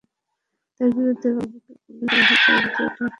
তাঁর বিরুদ্ধে বাবাকে গুলি করে হত্যার অভিযোগে ঢাকার কেরানীগঞ্জ থানায় মামলা রয়েছে।